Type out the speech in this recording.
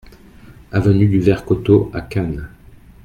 Avenue du Vert Coteau à Cannes